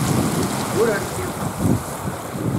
Ur rfiɣ!